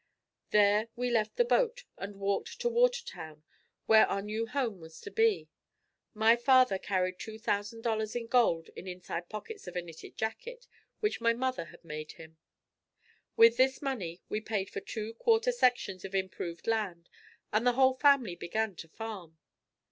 There we left the boat and walked to Watertown where our new home was to be. My father carried $2,000 in gold in inside pockets of a knitted jacket which my mother had made him. With this money we paid for two quarter sections of improved land and the whole family began to farm.